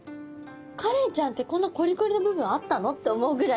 カレイちゃんってこんなコリコリの部分あったのって思うぐらい。